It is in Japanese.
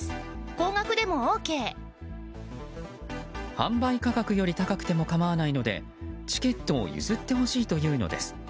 販売価格より高くても構わないのでチケットを譲ってほしいというのです。